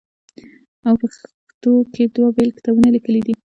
او پښتو کښې دوه بيل کتابونه ليکلي دي